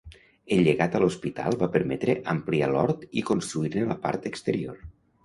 El llegat a l'hospital va permetre ampliar l'hort i construir-ne la paret exterior.